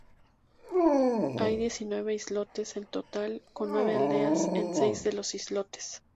Hay diecinueve islotes en total con nueve aldeas en seis de los islotes.